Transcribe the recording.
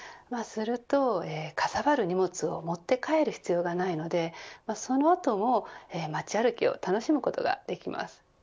すると、かさばる荷物を持って帰る必要がないのでその後も街歩きを楽しむことができます。